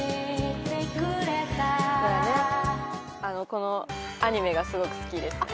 このアニメがすごく好きですね。